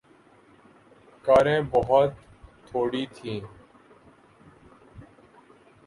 کاریں بہت تھوڑی تھیں۔